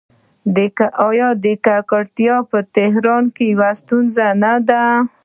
آیا ککړتیا په تهران کې یوه ستونزه نه ده؟